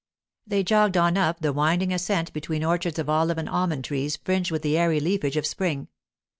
They jogged on up the winding ascent between orchards of olive and almond trees fringed with the airy leafage of spring.